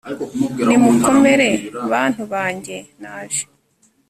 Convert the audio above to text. nimukomere bantu bange naje